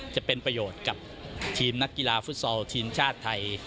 จะเป็นประโยชน์กับทีมนักกีฬาฟุตซอลทีมชาติไทย